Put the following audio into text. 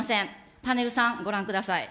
パネル３、ご覧ください。